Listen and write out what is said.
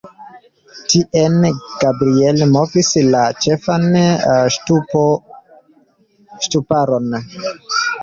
Tien Gabriel movis la ĉefan ŝtuparon.